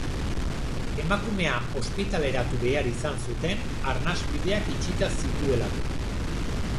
Emakumea ospitaleratu behar izan zuten, arnasbideak itxita zituelako.